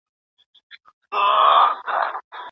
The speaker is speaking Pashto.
زما پر خاوره زېږېدلی بیرغ غواړم